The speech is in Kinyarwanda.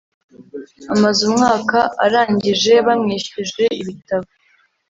amaze umwaka arangije bamwishyuje ibitabo